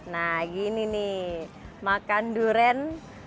nah gini nih makan durian